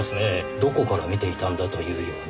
どこから見ていたんだというように。